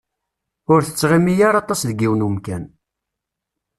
Ur tettɣimi ara aṭas deg yiwen n umkan.